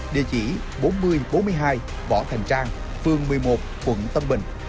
địa chỉ bốn nghìn bốn mươi hai bỏ thành trang phường một mươi một quận tân bình